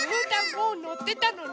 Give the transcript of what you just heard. もうのってたのね！